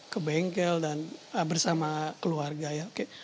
ke bengkel dan bersama keluarga ya oke